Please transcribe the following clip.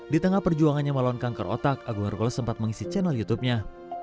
di tengah perjuangannya melawan kanker otak agung hercules sempat mengisi channel youtubenya